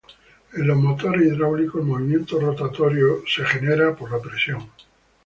En los motores hidráulicos el movimiento rotatorio es generado por la presión.